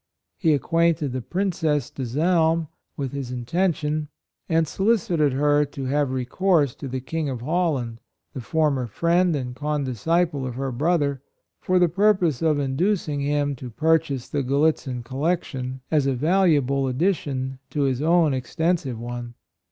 He acquainted the Princess de Salm with his intention, and AND DIFFICULTIES. 89 solicited her to have recourse to the King of Holland, the former friend and condisciple of her brother, for the purpose of inducing him to pur chase the Grallitzin collection, as a valuable addition to his own ex tensive one.